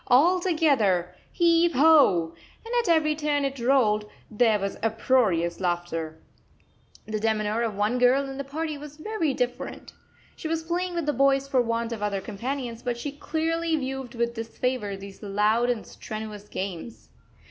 All together! Heave ho!" And at every turn it rolled, there was uproarious laughter. The demeanour of one girl in the party was very different. She was playing with the boys for want of other companions, but she clearly viewed with disfavour these loud and strenuous games.